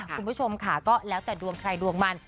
คุณผู้ชมค่ะก็แล้วแต่ดวงใครดวงมัน